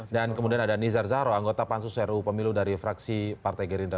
dan kemudian ada nizar zahro anggota pansus ru pemilu dari fraksi partai gerindra